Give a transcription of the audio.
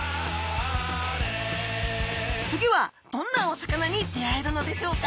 次はどんなお魚に出会えるのでしょうか。